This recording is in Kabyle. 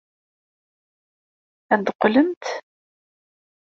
Ad d-teqqlemt?